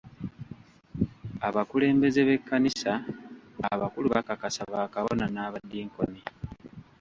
Abakulembeze b'ekkanisa abakulu bakakasa ba Kabona n'abadinkoni.